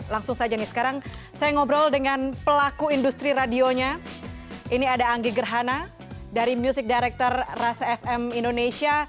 langsung saja nih sekarang saya ngobrol dengan pelaku industri radionya ini ada anggi gerhana dari music director rasa fm indonesia